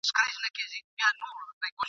هغه به د خوب په تعبير نپوهيږي.